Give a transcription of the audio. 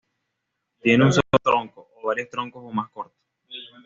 Tiene un solo tronco, o varios troncos más cortos.